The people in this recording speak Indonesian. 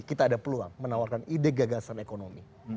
kita ada peluang menawarkan ide gagasan ekonomi